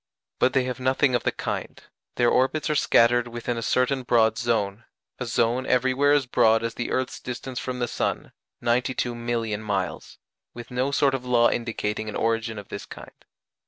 But they have nothing of the kind; their orbits are scattered within a certain broad zone a zone everywhere as broad as the earth's distance from the sun, 92,000,000 miles with no sort of law indicating an origin of this kind.